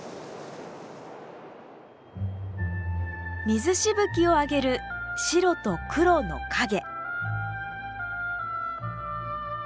水しぶきを上げる白と黒の影。